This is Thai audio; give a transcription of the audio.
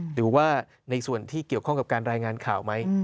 หรือว่าในส่วนที่เกี่ยวข้องกับการรายงานข่าวไหม